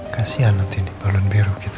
kasian hati hati balon biru kita